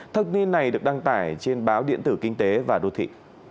thực niên này được đăng tải trên báo điện tử kinh tế và đô thị